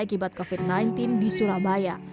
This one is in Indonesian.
akibat covid sembilan belas di surabaya